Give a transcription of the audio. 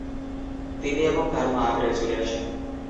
তিনি এবং তার মা আগ্রায় চলে আসেন।